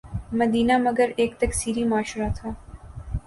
مدینہ مگر ایک تکثیری معاشرہ تھا۔